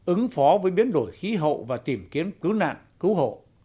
ứng phó với biến đổi khí hậu và tìm kiếm cứu nạn cứu hộ